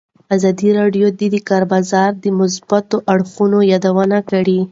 ازادي راډیو د د کار بازار د مثبتو اړخونو یادونه کړې.